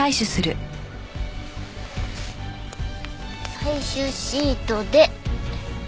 採取シートで。